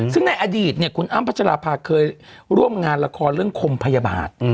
ซึ่งในอดีตคุณอ้ำพัชราภาเคยร่วมงานละครเรื่องคมพยาบาท